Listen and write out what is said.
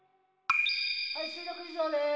はい収録以上です。